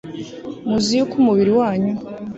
Muzi yuko umubiri wanyu